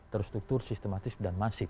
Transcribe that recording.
terstruktur sistematis dan masif